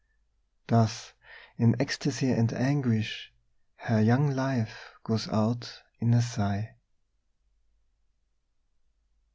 Thus, in ecstasy and anguish, her young life goes out in a sigh."